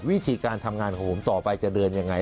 วิธีการทำงานของผมต่อไปจะเดินยังไง